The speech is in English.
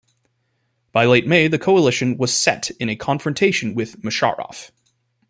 By late May, the coalition was set in a confrontation with Musharraf.